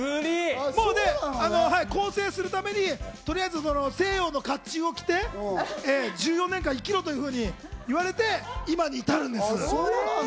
ずりぃ！更生するために西洋の甲冑を着て、１４年間生きろというふうに言われて、今に至るんです。